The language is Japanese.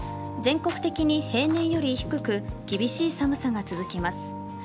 全国的にに平年より低く厳しい寒さが続きます。